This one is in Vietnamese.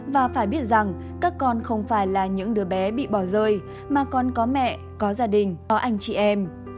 và phải biết rằng các con không phải là những đứa bé bị bỏ rơi mà còn có mẹ có gia đình có anh chị em